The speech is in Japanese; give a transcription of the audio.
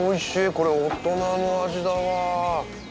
これ大人の味だわ。